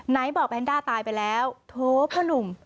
ไหนบอกแพนด้าตายไปแล้วโถพ่อหนุ่ม